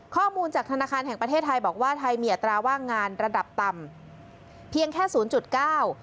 ข้อมูลจากธนาคารแห่งประเทศไทยบอกว่าไทยมีอัตราว่างงานระดับต่ำเพียงแค่ศูนย์จุดเก้า